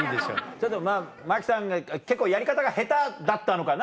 ちょっとまぁ真木さんが結構やり方が下手だったのかな？